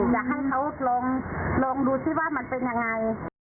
อยากให้เขาลองดูซิว่ามันเป็นยังไง